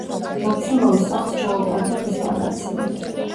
მაქსიმოვის სახლს ჩაუტარდა რესტავრაცია.